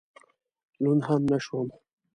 لوند هم نه شوم.